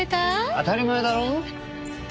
当たり前だろ。